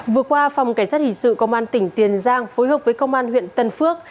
vừa qua phòng cảnh sát hình sự công an tỉnh tiền giang phối hợp với công an huyện tân phước